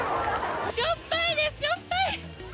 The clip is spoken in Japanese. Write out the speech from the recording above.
しょっぱいです、しょっぱい。